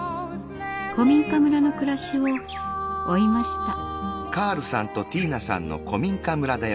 古民家村の暮らしを追いました。